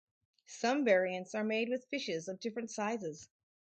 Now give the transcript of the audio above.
Some variants are made with fishes of different sizes.